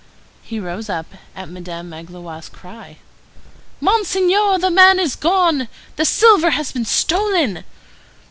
He rose up at Madame Magloire's cry. "Monseigneur, the man is gone! The silver has been stolen!"